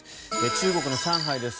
中国の上海です。